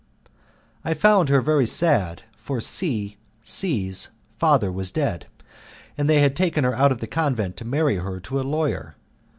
I found her very sad, for C C 's father was dead, and they had taken her out of the convent to marry her to a lawyer.